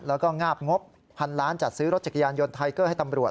แล้วก็งาบงบพันล้านจัดซื้อรถจักรยานยนต์ไทเกอร์ให้ตำรวจ